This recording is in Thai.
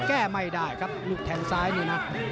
แก้ไม่ได้ครับลูกแทงซ้ายนี่นะ